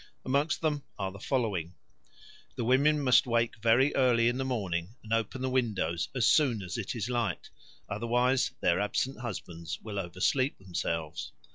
Amongst them are the following. The women must wake very early in the morning and open the windows as soon as it is light; otherwise their absent husbands will oversleep themselves.